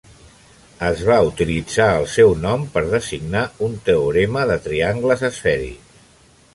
Es va utilitzar el seu nom per designar un teorema de triangles esfèrics.